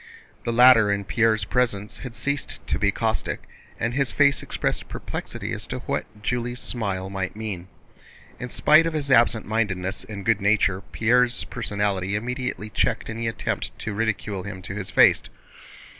The latter in Pierre's presence had ceased to be caustic, and his face expressed perplexity as to what Julie's smile might mean. In spite of his absent mindedness and good nature, Pierre's personality immediately checked any attempt to ridicule him to his face.